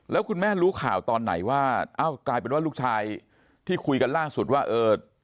แล้วคุณแม่รู้ข่าวตอนไหนว่าอ้าวกลายเป็นว่าลูกชายที่คุยกันล่าสุดว่าเออ